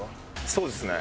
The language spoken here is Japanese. そうですね。